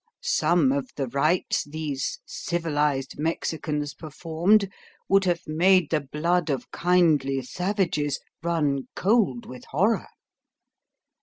Some of the rites these civilised Mexicans performed would have made the blood of kindly savages run cold with horror.